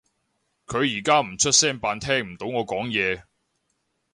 佢而家唔出聲扮聽唔到我講嘢